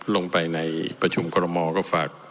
ลงไปในประชุมกรมอลก็ฝาก